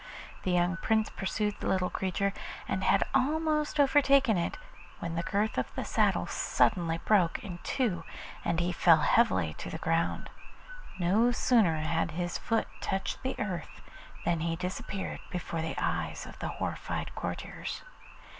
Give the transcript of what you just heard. The young Prince pursued the little creature, and had almost overtaken it, when the girth of his saddle suddenly broke in two and he fell heavily to the ground. No sooner had his foot touched the earth than he disappeared before the eyes of the horrified courtiers.